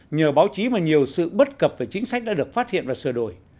nhờ báo chí mà nhiều sự bất cập về chính sách đã được phát hiện và sửa đổi